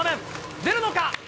出るのか？